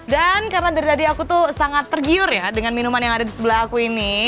dan karena dari tadi aku tuh sangat tergiur ya dengan minuman yang ada di sebelah aku ini